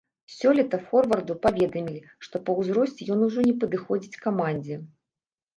Сёлета форварду паведамілі, што па ўзросце ён ужо не падыходзіць камандзе.